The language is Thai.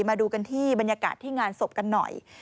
มาดูกันที่บรรยากาศที่งานศพกันหน่อย